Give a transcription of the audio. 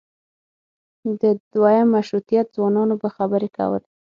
د دویم مشروطیت ځوانانو به خبرې کولې.